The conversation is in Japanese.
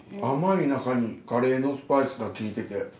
甘いなかにカレーのスパイスが効いてて。